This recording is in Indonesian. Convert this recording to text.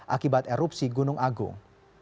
akibat erupsi gunung agung